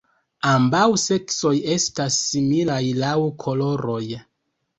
Ambaŭ seksoj estas similaj laŭ koloroj.